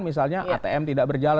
misalnya atm tidak berjalan